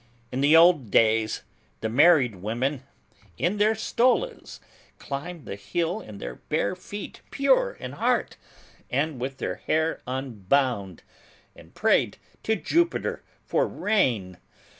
In the old days, the married women, in their stolas, climbed the hill in their bare feet, pure in heart, and with their hair unbound, and prayed to Jupiter for rain!